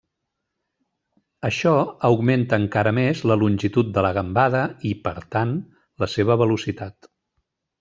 Això augmenta encara més la longitud de la gambada i, per tant, la seva velocitat.